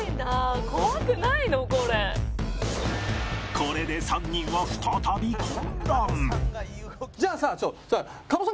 これで３人は再び混乱じゃあさ。